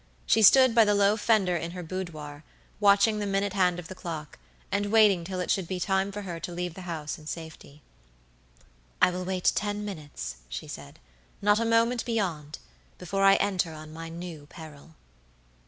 She stood by the low fender in her boudoir, watching the minute hand of the clock, and waiting till it should be time for her to leave the house in safety. "I will wait ten minutes," she said, "not a moment beyond, before I enter on my new peril."